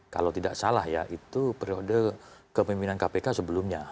kalau tidak salah ya itu periode kepemimpinan kpk sebelumnya